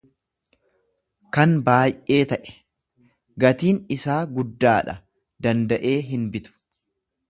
kan baay'ee ta'e; gatiin isaa guddaa dha, danda'ee hinbitu.